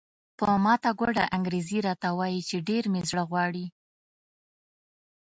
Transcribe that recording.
په ماته ګوډه انګریزي راته وایي چې ډېر مې زړه غواړي.